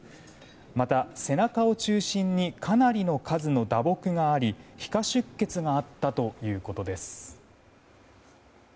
また、背中を中心にかなりの数の打撲があり皮下出血があったということです。